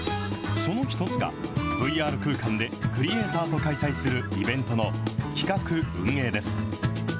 その１つがＶＲ空間でクリエイターと開催するイベントの企画・運営です。